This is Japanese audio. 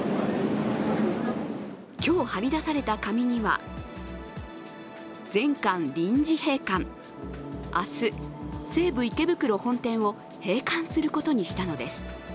今日、貼り出された紙には明日、西武池袋本店を閉館することにしたのです。